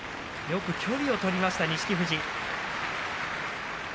よく距離を取りました、錦富士。